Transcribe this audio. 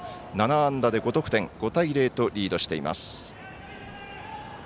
７安打で５得点、５対０とリードしています。